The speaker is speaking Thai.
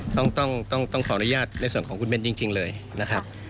ต้องต้องขออนุญาตในส่วนของคุณเบนจริงเลยนะครับ